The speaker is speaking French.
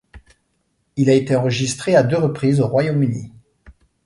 Il a été enregistré à deux reprises au Royaume-Uni.